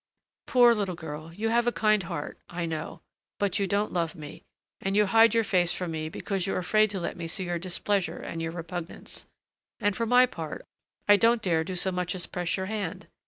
"Poor little girl, you have a kind heart, I know; but you don't love me, and you hide your face from me because you're afraid to let me see your displeasure and your repugnance. And for my part, I don't dare do so much as press your hand!